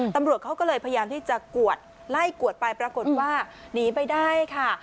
ตำรวจเขาก็เลยพยายามที่จะกวดไล่กวดไปปรากฏว่าหนีไปได้ค่ะ